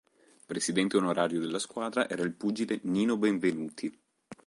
Presidente onorario della squadra era il pugile Nino Benvenuti.